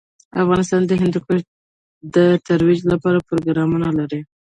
افغانستان د هندوکش د ترویج لپاره پروګرامونه لري.